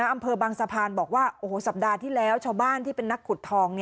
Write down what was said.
อำเภอบางสะพานบอกว่าโอ้โหสัปดาห์ที่แล้วชาวบ้านที่เป็นนักขุดทอง